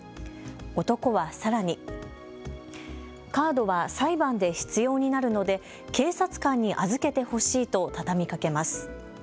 男はさらにカードは裁判で必要になるので警察官に預けてほしいと畳みかけます。